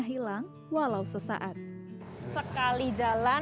hilang walau sesaat sekali jalan